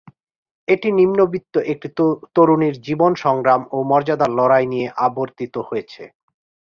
এটি নিম্নবিত্ত একটি তরুণীর জীবন-সংগ্রাম ও মর্যাদার লড়াই নিয়ে আবর্তিত হয়েছে।